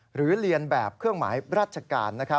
หรือเรียนแบบเครื่องหมายราชการนะครับ